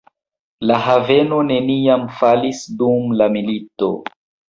La haveno neniam falis dum la milito.